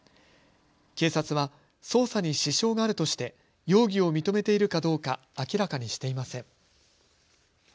警察は捜査に支障があるとして容疑を認めているかどうか明らかにしていません。